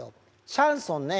シャンソンね。